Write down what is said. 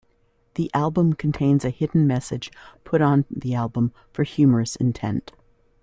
The album contains a hidden message put on the album for humorous intent.